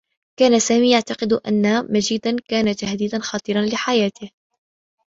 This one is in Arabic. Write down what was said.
كان سامي يعتقد أنّ مجيدا كان تهديدا خطيرا لحياته.